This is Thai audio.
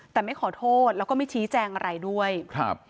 แต่ไม่ขอโทษแล้วก็ไม่ชี้แจงอะไรด้วยครับ